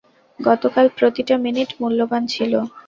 গতকাল প্রতিটা মিনিট মূল্যবান ছিল।